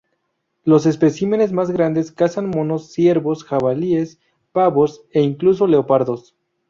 Los especímenes más grandes cazan monos, ciervos, jabalíes, pavos, e incluso leopardos.